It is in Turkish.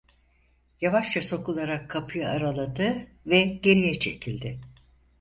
Yavaşça sokularak kapıyı araladı ve geriye çekildi.